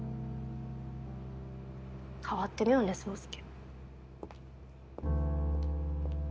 変わってるよね宗介。